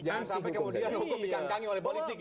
jangan sampai kemudian hukum dikankangi oleh politik ya